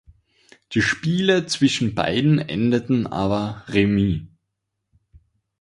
Die Spiele zwischen beiden endeten aber remis.